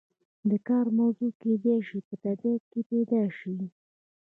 د کار موضوع کیدای شي په طبیعت کې پیدا شي.